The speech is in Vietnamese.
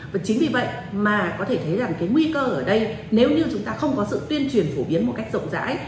và chính vì vậy mà có thể thấy rằng cái nguy cơ ở đây nếu như chúng ta không có sự tuyên truyền phổ biến một cách rộng rãi